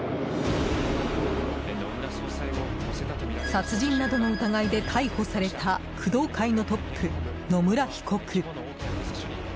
殺人などの疑いで逮捕された工藤会のトップ、野村被告。